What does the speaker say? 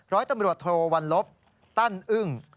ร้อยตำรวจโทวัลลบตั้นอึ้ง